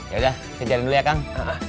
yaudah ke jalan dulu ya kang